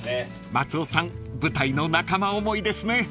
［松尾さん舞台の仲間思いですね］